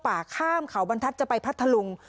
มักจะเดินเข้าป่าข้ามเขาบรรทัศน์จะไปพัทธลุง